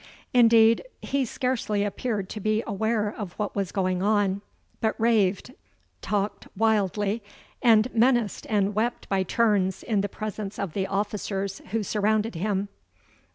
Indeed, he scarcely appeared to be aware of what was going on; but raved, talked wildly, and menaced and wept by turns in the presence of the officers who surrounded him.